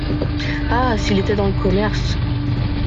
Ah ! s’il était dans le commerce !…